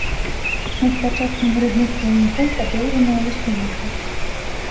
Над пачаткам грудных плаўнікоў падоўжаная лускавінка.